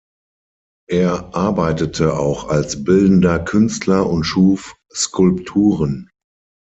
Er arbeitete auch als bildender Künstler und schuf Skulpturen.